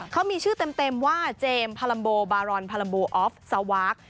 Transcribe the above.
เขามีชื่อเต็มว่าเจมส์พาลัมโบบารอนพาลัมโบออฟสวาค